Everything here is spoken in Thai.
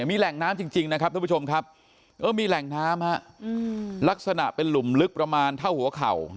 มีแหล่งน้ำจริงนะครับทุกผู้ชมครับมีแหล่งน้ำลักษณะเป็นหลุมลึกประมาณเท่าหัวเข่า